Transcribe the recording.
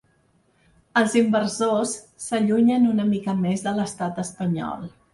Els inversors s’allunyen una mica més de l’estat espanyol.